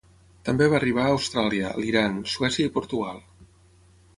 També va arribar a Austràlia, l'Iran, Suècia i Portugal.